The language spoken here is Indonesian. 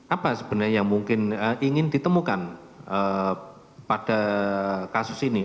apa sebenarnya yang mungkin ingin ditemukan pada kasus ini